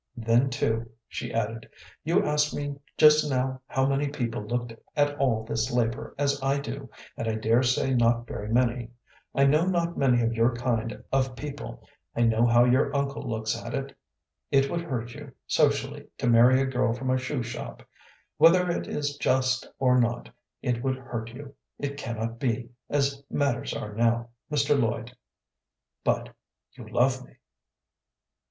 Then, too," she added, "you asked me just now how many people looked at all this labor as I do, and I dare say not very many. I know not many of your kind of people. I know how your uncle looks at it. It would hurt you socially to marry a girl from a shoe shop. Whether it is just or not, it would hurt you. It cannot be, as matters are now, Mr. Lloyd." "But you love me?"